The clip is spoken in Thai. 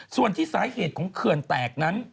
ส่วนที่สาเหตุของเขื่อนแตกนั้น